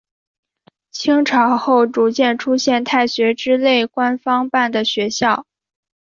清朝后逐渐出现太学之类官方办的学校。